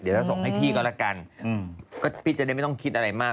เดี๋ยวจะส่งให้พี่ก็ละกันก็ปียะจนได้ไม่ต้องคิดอะไรมาก